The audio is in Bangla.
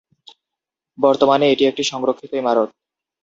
বর্তমানে এটি একটি সংরক্ষিত ইমারত।